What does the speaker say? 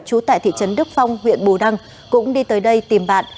trú tại thị trấn đức phong huyện bù đăng cũng đi tới đây tìm bạn